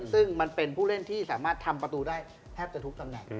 ซึ่งมันเป็นผู้เล่นที่สามารถทำประตูได้แทบจะทุกตำแหน่ง